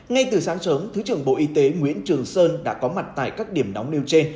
ngay từ sáng sớm thứ trưởng bộ y tế nguyễn trường sơn đã có mặt tại các điểm nóng nêu trên